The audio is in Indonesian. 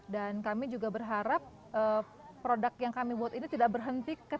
dan kami juga berharap produk yang kami buat ini tidak berhenti